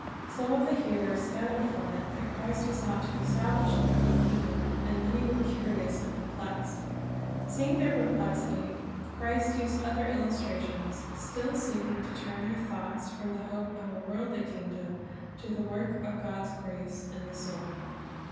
Some of the hearers gathered from it that Christ was not to estabhsh an earthly kingdom, and many were curious and perplexed. Seeing their perplexity, Christ used other illustrations, still seeking to turn their thoughts from the hope of a worldly kingdom to the work of God's grace in the soul.